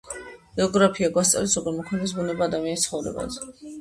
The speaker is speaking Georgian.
გეოგრაფია გვასწავლის, როგორ მოქმედებს ბუნება ადამიანის ცხოვრებაზე.